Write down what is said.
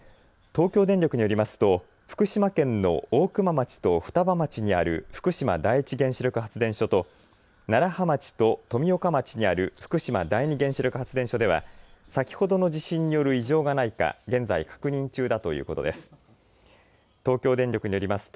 東京電力によりますと福島県の大熊町と双葉町にある福島第一原子力発電所と楢葉町と富岡町にある福島第二原子力発電所では先ほどの地震による異常がないか現在、確認中だということです。